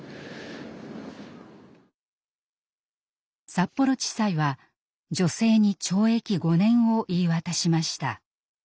札幌地裁は女性に懲役５年を言い渡しました。